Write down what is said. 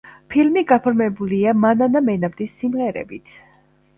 ფილმი გაფორმებულია მანანა მენაბდის სიმღერებით.